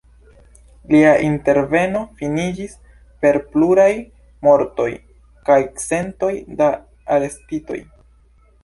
Lia interveno finiĝis per pluraj mortoj kaj centoj da arestitoj.